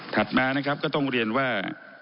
มานะครับก็ต้องเรียนว่า